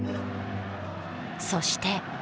そして。